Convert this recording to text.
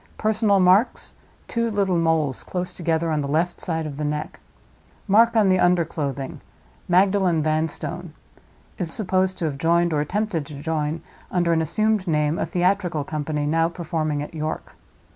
Personal marks—two little moles, close together, on the left side of the neck. Mark on the under clothing—'Magdalen Vanstone.' Is supposed to have joined, or attempted to join, under an assumed name, a theatrical company now performing at York.